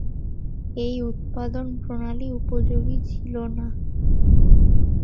এই উৎপাদন প্রণালী উপযোগী ছিলো না।